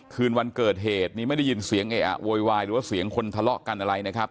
คืนวันเกิดเหตุนี้ไม่ได้ยินเสียงเออะโวยวายหรือว่าเสียงคนทะเลาะกันอะไรนะครับ